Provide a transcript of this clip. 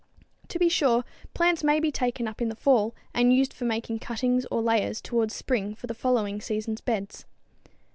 To be sure, plants may be taken up in the fall and used for making cuttings or layers towards spring for the following seasons beds.